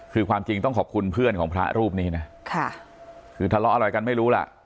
คือความจริงต้องขอบคุณเพื่อนของพระรูปนี้นะคือทะเลาะอะไรกันไม่รู้ล่ะ